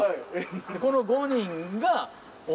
この５人が。